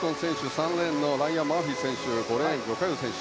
３レーンライアン・マーフィー選手５レーン、ジョ・カヨ選手